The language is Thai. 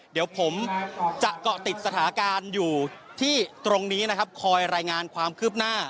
เดี๋ยวผมจะเกาะติดสถาการอยู่ที่ตรงนี้นะครับ